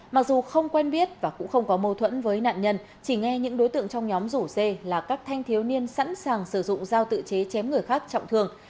mặc dù không quen biết và cũng không có mâu thuẫn với nạn nhân chỉ nghe những đối tượng trong nhóm rủ xe là các thanh thiếu niên sẵn sàng sử dụng giao tự chế chém người khác trọng thường